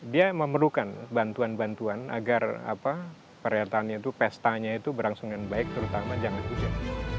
dia memerlukan bantuan bantuan agar perhelatannya itu pestanya itu berangsungan baik terutama jangan hujan